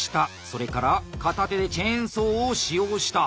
それから「片手でチェーンソー」を使用した。